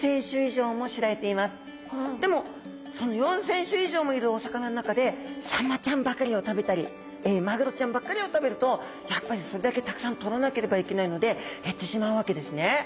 でもその４，０００種以上もいるお魚の中でサンマちゃんばかりを食べたりマグロちゃんばっかりを食べるとやっぱりそれだけたくさんとらなければいけないので減ってしまうわけですね。